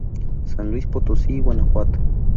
San Luis Potosí y Guanajuato.